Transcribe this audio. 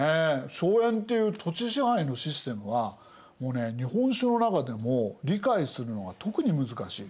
荘園っていう土地支配のシステムはもうね日本史の中でも理解するのが特に難しい。